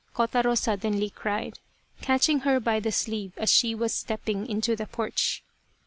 " Kotaro suddenly cried, catching her by the sleeve as she was stepping into the porch.